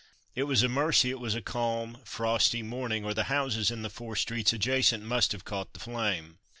It was a mercy it was a calm frosty morning or the houses in the four streets adjacent must have caught the flame.